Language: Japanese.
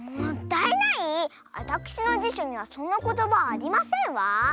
あたくしのじしょにはそんなことばはありませんわ！